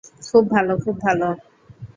খুব ভালো, খুব ভালো!